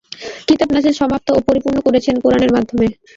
কিতাব নাজিল সমাপ্ত ও পরিপূর্ণ করেছেন কোরআনের মাধ্যমে।